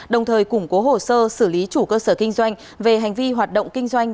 đồng thời củng cố hồ sơ xử lý chủ cơ sở kinh doanh về hành vi hoạt động kinh doanh